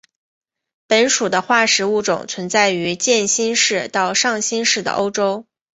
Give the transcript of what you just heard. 本属的化石物种存在于渐新世到上新世的欧洲。